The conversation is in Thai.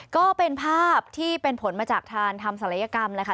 ก็เป็นภาพที่เป็นผลมาจากทางทำศัลยกรรมนะคะ